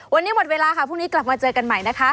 วันนี้หมดเวลาค่ะพรุ่งนี้กลับมาเจอกันใหม่นะคะ